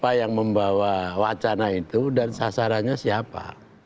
siapa yang membawa wacana itu dan sasarannya siapa